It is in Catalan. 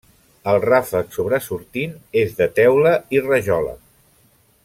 El ràfec, sobresortint, és de teula i rajola.